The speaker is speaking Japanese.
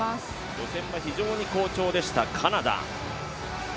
予選は非常に好調でした、カナダ。